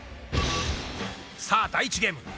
さあ、第１ゲーム。